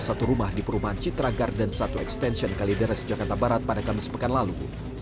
satu rumah di perumahan citra garden satu extension kalideres jakarta barat pada kamis pekan lalu